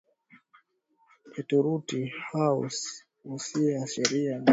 ya torati hao wasio na sheria wamekuwa sheria kwa nafsi zao wenyewe Hao waionyesha